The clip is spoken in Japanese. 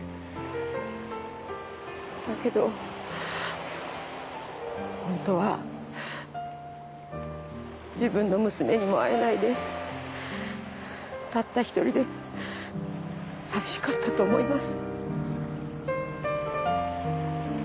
だけど本当は自分の娘にも会えないでたった一人で寂しかったと思います。